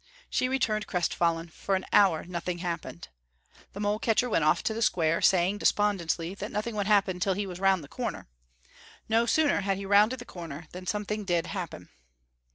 She returned crestfallen, and for an hour nothing happened. The mole catcher went off to the square, saying, despondently, that nothing would happen until he was round the corner. No sooner had he rounded the corner than something did happen.